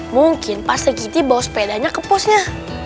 mungkin pasri giti bawa sepedanya ke posnya